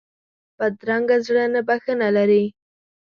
بدرنګه زړه نه بښنه لري